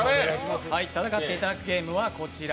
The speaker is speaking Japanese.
先っていただくゲームは、こちら。